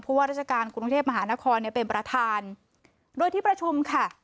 ว่าราชการกรุงเทพมหานครเนี่ยเป็นประธานโดยที่ประชุมค่ะ